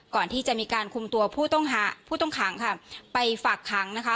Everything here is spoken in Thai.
ก่อนที่จะมีการคุมตัวผู้ต้องหาผู้ต้องขังค่ะไปฝากขังนะคะ